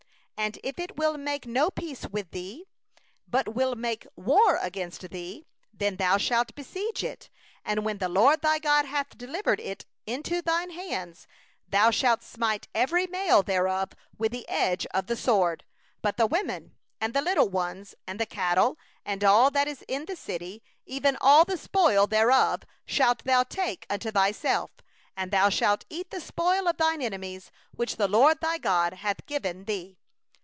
12And if it will make no peace with thee, but will make war against thee, then thou shalt besiege it. 13And when the LORD thy God delivereth it into thy hand, thou shalt smite every male thereof with the edge of the sword; 14but the women, and the little ones, and the cattle, and all that is in the city, even all the spoil thereof, shalt thou take for a prey unto thyself; and thou shalt eat the spoil of thine enemies, which the LORD thy God hath given thee.